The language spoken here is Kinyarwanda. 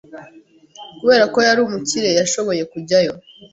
Kubera ko yari umukire, yashoboye kujyayo.